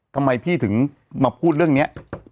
ทำไมพี่ถึงมาพูดเรื่องนี้